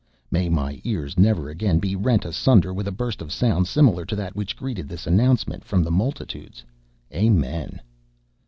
May my ears never again be rent asunder with a burst of sound similar to that which greeted this announcement, from the multitudes. Amen.